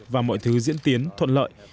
và mọi thứ diễn tiến thuận lợi